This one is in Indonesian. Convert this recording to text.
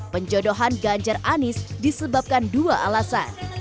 penjodohan ganjar anis disebabkan dua alasan